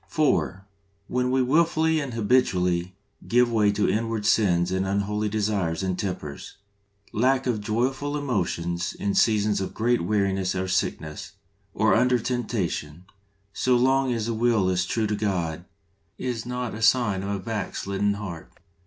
(4. ) When we wilfully and habitually give way to inward sins and unholy desires and tempers. Lack of joyful emotions in seasons of great weariness or sickness, or under temptation, so long as the will is true to God, is not a sign of a backslidden heart.